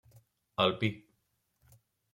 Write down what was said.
El pi.